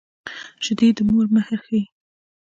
شیدې د مور مهر ښيي